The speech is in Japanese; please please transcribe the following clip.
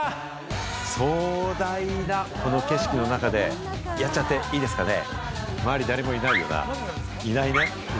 壮大なこの景色の中で、やっちゃっていいですかね？